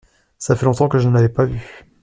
Ça fait longtemps que je ne l’avais pas vue.